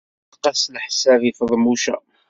Yeɛreq-as leḥsab i Feḍmuca.